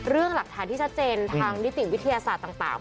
เรื่องหลักฐานที่ชัดเจนทางนิติวิทยาศาสตร์ต่าง